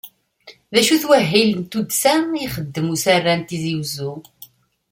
D acu-t wahil n tuddsa i ixeddem usarra n Tizi Uzzu?